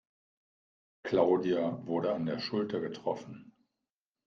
Claudia wurde an der Schulter getroffen.